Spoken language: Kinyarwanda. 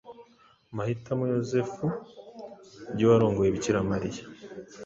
agahitamo Yozefu ry’uwarongoye Bikira Mariya: